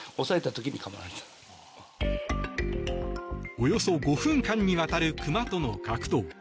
およそ５分間にわたるクマとの格闘。